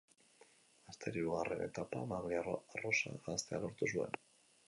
Laster, hirugarren etapa, maglia arrosa janztea lortu zuen.